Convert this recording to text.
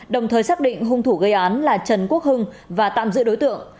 đồng thời xác định hung thủ gây án là trần quốc hưng và tạm giữ đối tượng